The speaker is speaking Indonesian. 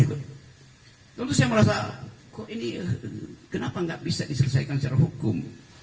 tentu saya merasa kok ini kenapa nggak bisa diselesaikan secara hukum